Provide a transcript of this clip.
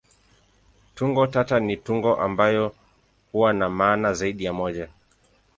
Tungo tata ni tungo ambayo huwa na maana zaidi ya moja.